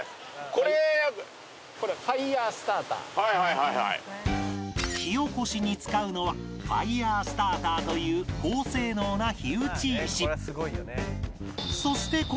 これ火おこしに使うのはファイヤースターターという高性能な火打ち石